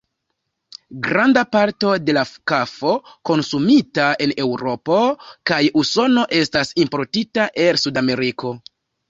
Granda parto de la kafo konsumita en Eŭropo kaj Usono estas importita el Sudameriko.